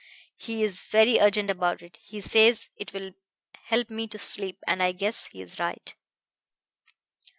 He is very urgent about it. He says it will help me to sleep, and I guess he is right.'